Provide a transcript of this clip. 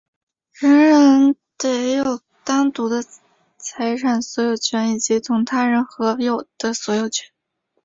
人人得有单独的财产所有权以及同他人合有的所有权。